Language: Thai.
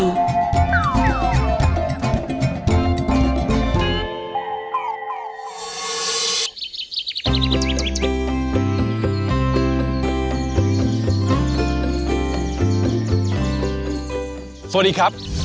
สวัสดีครับ